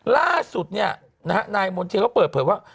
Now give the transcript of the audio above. ล่าสุดนี่นะฮะนายมนตร์เชียร์ก็เปิดเผยว่า